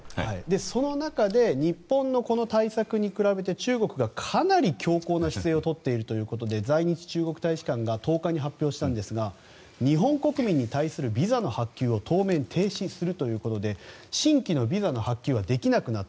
その中で日本の対策に比べて中国が、かなり強硬な姿勢をとっているということで在日中国大使館が１０日発表したんですが日本国民に対するビザの発給を当面停止するということで新規ビザ発給はできなくなった。